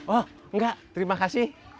oh enggak terima kasih